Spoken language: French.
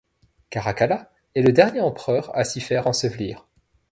Caracalla est le dernier empereur à s'y faire ensevelir.